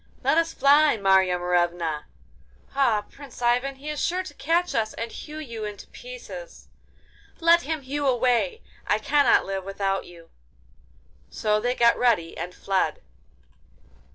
'Let us fly, Marya Morevna!' 'Ah, Prince Ivan! he is sure to catch us and hew you in pieces.' 'Let him hew away! I cannot live without you. So they got ready and fled.